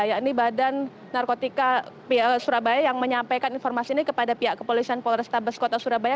yakni badan narkotika surabaya yang menyampaikan informasi ini kepada pihak kepolisian polrestabes kota surabaya